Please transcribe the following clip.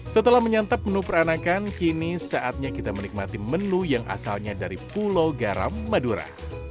setelah menyantap menu peranakan kini saatnya kita menikmati menu yang asalnya dari pulau garam madura